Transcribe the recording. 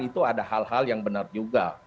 itu ada hal hal yang benar juga